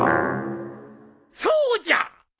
そうじゃ！